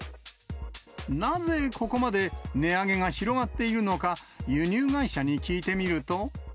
なぜ、ここまで値値上げが広がっているのか、輸入会社に聞いてみると。